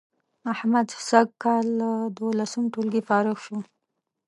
احمد سږ کال له دولسم ټولگي فارغ شو